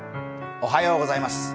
おはようございます。